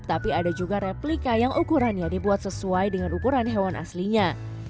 tapi ada juga replika yang ukurannya dibuat sesuai dengan ukuran hewan aslinya